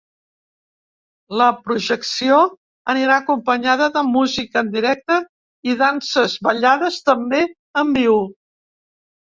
La projecció anirà acompanyada de música en directe i danses ballades també en viu.